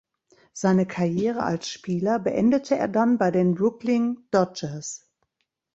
Seine Karriere als Spieler beendete er dann bei den Brooklyn Dodgers.